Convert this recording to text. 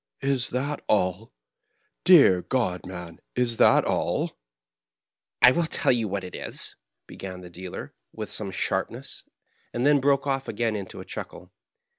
Is that all ? Dear God, man, is that all ?"" I will tell you what it is," began the dealer, with some sharpness, and then broke off again into a chucMe.